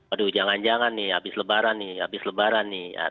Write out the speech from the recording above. aduh jangan jangan nih habis lebaran nih habis lebaran nih